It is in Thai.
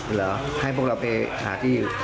เหรอให้พวกเราไปหาที่อยู่